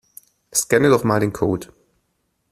Scanne doch mal den Code.